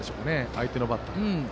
相手のバッターは。